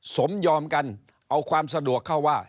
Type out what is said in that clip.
สมยอมกันเอาความสะดวกเข้าว่า